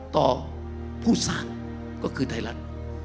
ต่อผู้สร้างก็คือไทยรัฐ